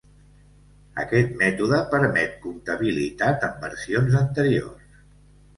Aquest mètode permet compatibilitat amb versions anteriors.